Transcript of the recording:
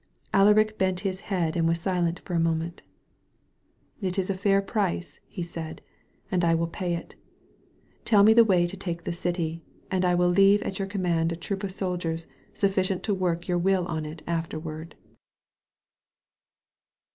Alaric bent his head and was silent for a moment. "It is a fair price," he said, "and I will pay it. Tell me the way to take the city, and I will leave at your command a troop of soldiers sufficient to work your will on it afterward."